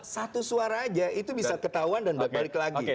satu suara aja itu bisa ketahuan dan balik lagi